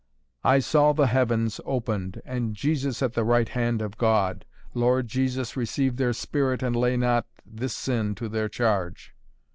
"I saw the heavens opened and Jesus at the right hand of God. Lord Jesus receive their spirit and lay not this sin to their charge!"